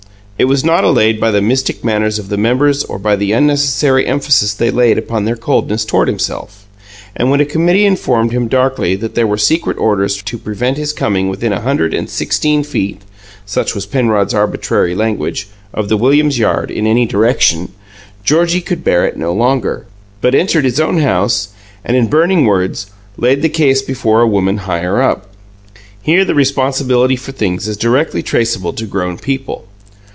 It was not allayed by the mystic manners of the members or by the unnecessary emphasis they laid upon their coldness toward himself; and when a committee informed him darkly that there were "secret orders" to prevent his coming within "a hundred and sixteen feet" such was Penrod's arbitrary language of the Williams' yard, "in any direction", Georgie could bear it no longer, but entered his own house, and, in burning words, laid the case before a woman higher up. Here the responsibility for things is directly traceable to grown people.